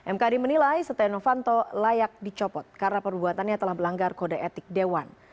mkd menilai setia novanto layak dicopot karena perbuatannya telah melanggar kode etik dewan